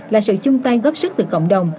là sự chung tay góp sức từ cộng đồng